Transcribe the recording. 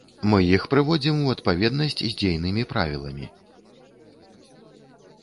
Мы іх прыводзім у адпаведнасць з дзейнымі правіламі.